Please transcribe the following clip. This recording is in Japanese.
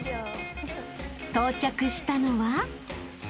［到着したのは］